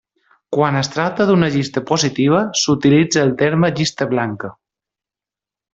Quan es tracta d'una llista positiva s'utilitza el terme llista blanca.